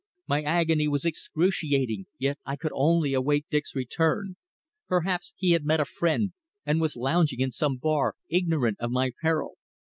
My agony was excruciating, yet I could only await Dick's return. Perhaps he had met a friend, and was lounging in some bar ignorant of my peril.